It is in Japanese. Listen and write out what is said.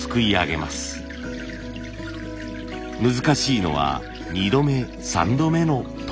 難しいのは２度目３度目の時。